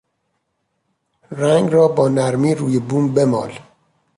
رنگ را با نرمی روی بوم بمال